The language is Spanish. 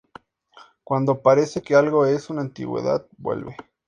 Cuando parece que algo es una antigüedad, vuelve.